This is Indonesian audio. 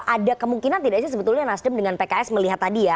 ada kemungkinan tidak sih sebetulnya nasdem dengan pks melihat tadi ya